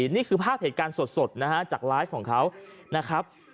นี่คือภาพเหตุการณ์สดนะฮะจากไลฟ์ของเขานะครับ